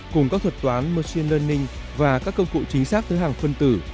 cùng các thuật toán machine learning và các công cụ chính xác từ hàng phân tử